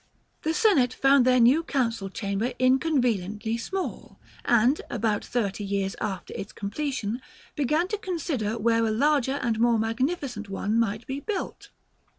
The Senate found their new Council Chamber inconveniently small, and, about thirty years after its completion, began to consider where a larger and more magnificent one might be built.